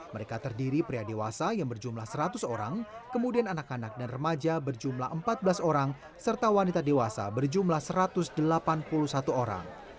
mereka terdiri pria dewasa yang berjumlah seratus orang kemudian anak anak dan remaja berjumlah empat belas orang serta wanita dewasa berjumlah satu ratus delapan puluh satu orang